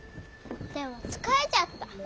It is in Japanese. でも疲れちゃった。